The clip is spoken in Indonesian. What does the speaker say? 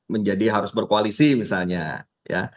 menjadi harus berkoalisi misalnya ya